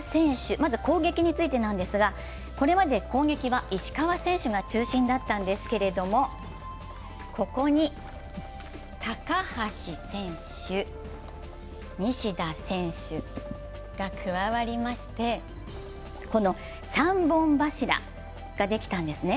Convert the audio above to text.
まず攻撃についてなんですが、これまで攻撃は石川選手が中心だったんですけれども、ここに高橋選手、西田選手が加わりましてこの３本柱ができたんですね。